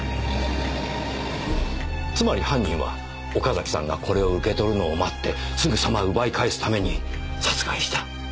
つまり犯人は岡崎さんがこれを受け取るのを待ってすぐさま奪い返すために殺害した。